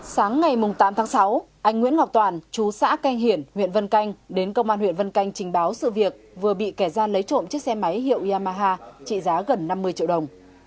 sáng ngày tám tháng sáu anh nguyễn ngọc toàn chú xã canh hiển huyện vân canh đến công an huyện vân canh trình báo sự việc vừa bị kẻ gian lấy trộm chiếc xe máy hiệu yamaha trị giá gần năm mươi triệu đồng